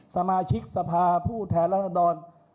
สมาชิกสภาผู้แทนรัศดร